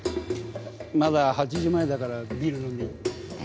まだ８時前だからビール飲んでいい？え